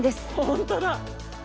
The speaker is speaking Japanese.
本当だ。